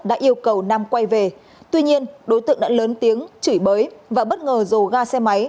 đã yêu cầu nam quay về tuy nhiên đối tượng đã lớn tiếng chửi bới và bất ngờ rồ ga xe máy